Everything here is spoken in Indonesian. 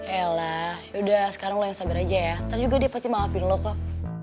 ya lah yaudah sekarang lo yang sabar aja ya ntar juga dia pasti maafin lo kok